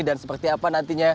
dan seperti apa nantinya